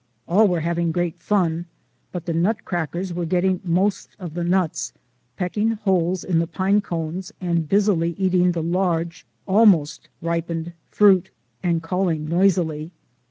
All were having great fun, but the nutcrackers were getting most of the nuts, pecking holes in the pine cones, and busily eating the large, almost ripened fruit, and calling noisily.